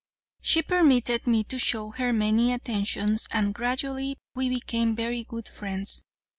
She permitted me to show her many attentions and gradually we became very good friends.